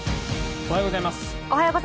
おはようございます。